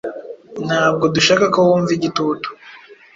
Ntabwo dushaka ko wumva igitutu.